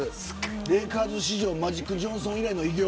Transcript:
レイカーズ史上マジック・ジョンソン以来の偉業。